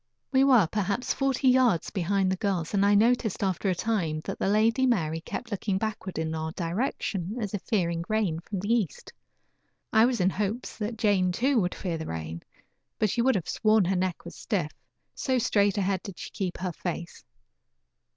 We were perhaps forty yards behind the girls, and I noticed after a time that the Lady Mary kept looking backward in our direction, as if fearing rain from the east. I was in hopes that Jane, too, would fear the rain, but you would have sworn her neck was stiff, so straight ahead did she keep her face.